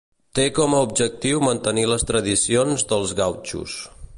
Té com a objectiu mantenir les tradicions dels gautxos.